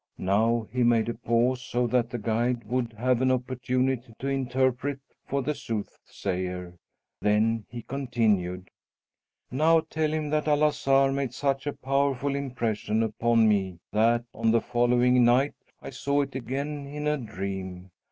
Now he made a pause, so that the guide would have an opportunity to interpret for the soothsayer. Then he continued: "Now tell him that El Azhar made such a powerful impression upon me that on the following night I saw it again in a dream.